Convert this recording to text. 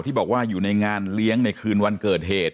บอกว่าอยู่ในงานเลี้ยงในคืนวันเกิดเหตุ